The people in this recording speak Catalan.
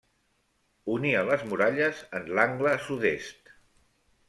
Unia les muralles en l'angle sud-est.